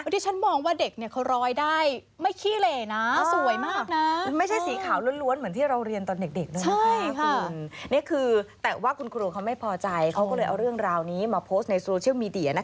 ที่ฉันมองว่าเด็กเขาร้อยได้